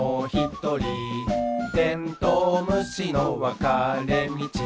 「テントウムシのわかれみち？」